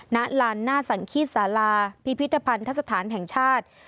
ณลานนาสังขีศาลาพิพิทธภัณฑ์ทัศนฐานแห่งชาติ